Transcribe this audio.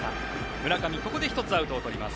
村上、ここで１つアウトをとります。